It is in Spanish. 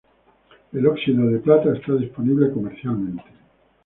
El óxido de plata está disponible comercialmente.